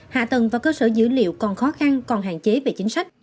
hạ tầng và cơ sở dữ liệu còn khó khăn còn hạn chế về chính sách